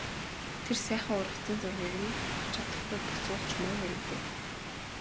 Тэр сайхан ургацын зургийг нь авч чадахгүй буцвал ч муу хэрэг дээ...